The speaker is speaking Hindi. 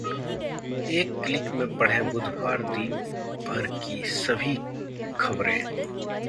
एक क्लिक में पढ़ें बुधवार दिन भर की सभी खबरें